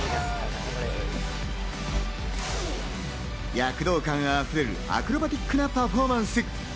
躍動感あふれるアクロバティックなパフォーマンス。